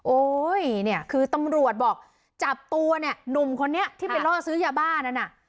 โอ้ยเนี่ยคือตำรวจบอกจับตัวเนี่ยหนุ่มคนนี้ที่ไปล่อซื้อยาบ้านั้นน่ะ